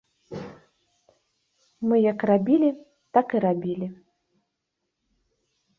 Мы як рабілі, так і рабілі.